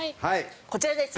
こちらです。